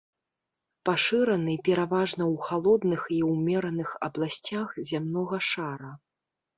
Пашыраны пераважна ў халодных і ўмераных абласцях зямнога шара.